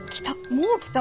もう来た。